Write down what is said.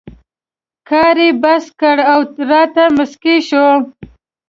کار یې بس کړ او راته مسکی شو.